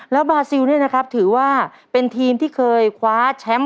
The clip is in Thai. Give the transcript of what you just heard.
แล้วบาซิลเนี่ยนะครับถือว่าเป็นทีมที่เคยคว้าแชมป์